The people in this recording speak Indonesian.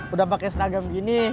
udah pake seragam gini